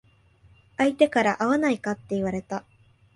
相手から会わないかって言われた。